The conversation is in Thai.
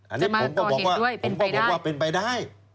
อันนี้ผมก็บอกว่าเป็นไปได้